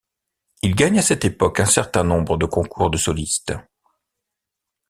Il gagne à cette époque un certain nombre de concours de soliste.